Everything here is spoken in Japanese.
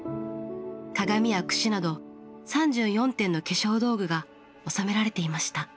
鏡や櫛など３４点の化粧道具が収められていました。